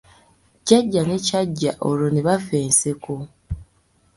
Jjajja ne Kyajja olwo ne bafa enseko.